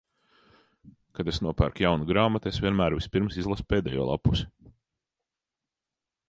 Kad es nopērku jaunu grāmatu, es vienmēr vispirms izlasu pēdējo lappusi.